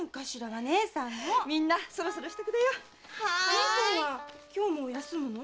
姐さんは今日も休むの？